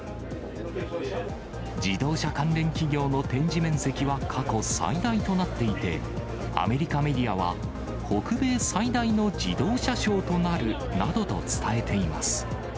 自動車関連企業の展示面積は過去最大となっていて、アメリカメディアは、北米最大の自動車ショーとなるなどと伝えています。